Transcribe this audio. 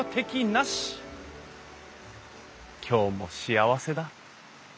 今日も幸せだ。